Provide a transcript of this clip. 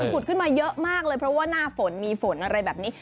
ขุดขึ้นมาเยอะมากเลยเพราะว่าหน้าฝนมีฝนอะไรแบบนี้